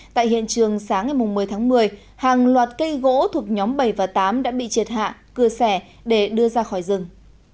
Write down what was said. tại hiện trường sáng ngày một mươi tháng một mươi hàng loạt cây gỗ thuộc nhóm bảy và tám đã bị triệt hạ cưa xẻ để đưa ra khỏi rừng